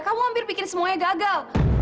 kamu hampir pikir semuanya gagal